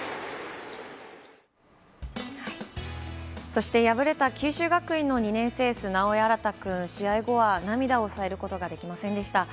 そして、敗れた九州学院の２年生エース直江新君、試合後は涙を抑えることができませんでした。